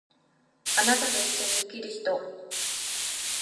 貴方と一緒に生きる人